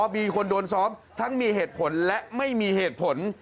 มีคนโดนซ้อมทั้งมีเหตุผลและไม่มีเหตุผล